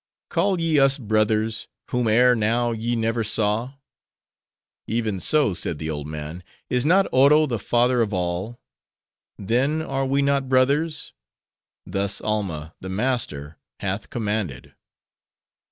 "Call ye us brothers, whom ere now ye never saw?" "Even so," said the old man, "is not Oro the father of all? Then, are we not brothers? Thus Alma, the master, hath commanded."